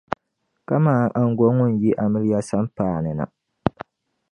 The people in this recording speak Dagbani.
kaman aŋgo ŋun yi amiliya sampaa ni na.